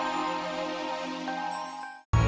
nah ini harus perhatikan nih maka siapa